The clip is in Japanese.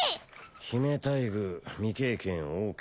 姫待遇未経験ＯＫ